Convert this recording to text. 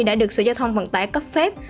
đã được sở giao thông vận tải cấp phép